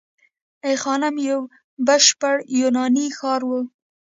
ای خانم یو بشپړ یوناني ښار و